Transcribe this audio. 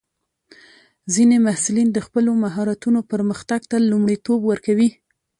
ځینې محصلین د خپلو مهارتونو پرمختګ ته لومړیتوب ورکوي.